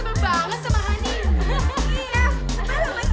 pak bayang glassio teh